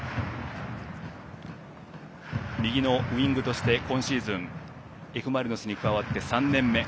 右のウイングとして今シーズンＦ・マリノスに加わって３年目。